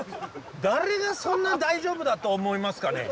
誰がそんな大丈夫だと思いますかね？